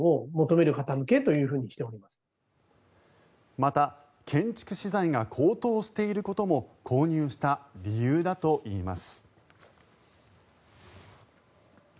また、建築資材が高騰していることも購入した理由だといいます。